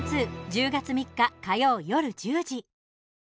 １０月３日、火曜よる１０時。